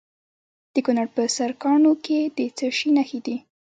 د کونړ په سرکاڼو کې د څه شي نښې دي؟